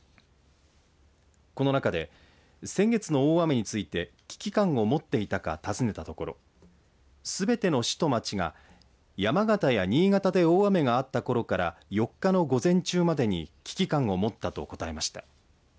この中で先月の大雨について危機感を持っていたか尋ねたところ、すべての市と町が山形や新潟で大雨があったころから４日の午前中までに危機感を持ったと答えました。